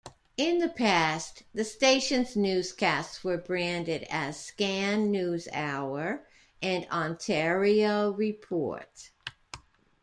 In the past, the station's newscasts were branded as "Scan NewsHour" and "Ontario Report".